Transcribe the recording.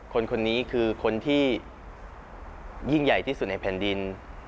คนนี้คือคนที่ยิ่งใหญ่ที่สุดในแผ่นดิน